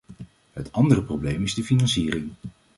Het andere probleem is de financiering.